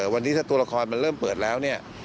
วันนี้ถ้าตัวละครมันเริ่มเปิดแล้วเนี่ย